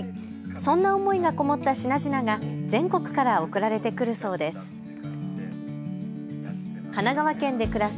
そんな思いがこもった品々が全国から送られてくるそうです。